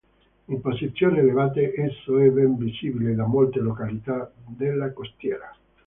In posizione elevate, esso è ben visibile da molte località della costiera.